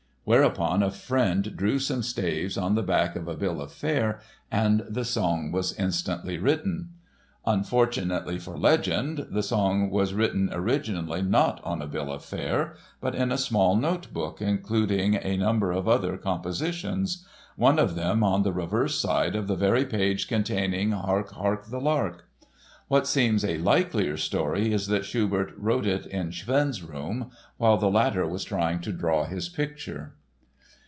whereupon a friend drew some staves on the back of a bill of fare and the song was instantly written. Unfortunately for legend, the song was written originally not on a bill of fare but in a small note book including a number of other compositions—one of them on the reverse side of the very page containing Hark, hark, the Lark. What seems a likelier story is that Schubert wrote it in Schwind's room, while the latter was trying to draw his picture.